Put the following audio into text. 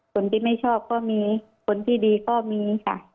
คนที่ไม่ชอบก็มีคนที่ดีก็มีค่ะ